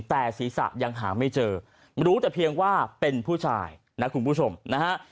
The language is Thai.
แต่ศีรษะยังหาไม่เจอรู้แต่เพียงว่าเป็นผู้ชายนะคุณผู้ชมนะฮะ